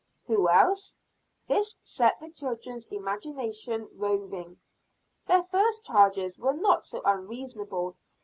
"Who else?" This set the children's imagination roving. Their first charges were not so unreasonable.